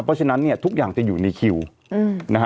เพราะฉะนั้นเนี่ยทุกอย่างจะอยู่ในคิวนะฮะ